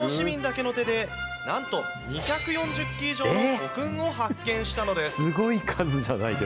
アマチュアの市民だけの手で、なんと２４０基以上の古墳を発見したのです。